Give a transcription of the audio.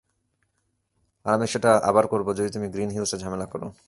আর আমি সেটা আবার করব যদি তুমি গ্রিন হিলসে ঝামেলা করো।